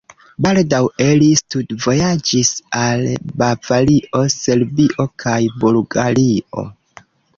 Baldaŭe li studvojaĝis al Bavario, Serbio kaj Bulgario.